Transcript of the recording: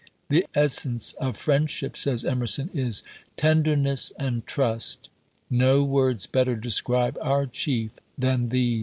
"The essence of Friendship," says Emerson, "is tenderness and trust." No words better describe our Chief than these.